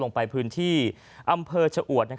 ลงไปพื้นที่อำเภอชะอวด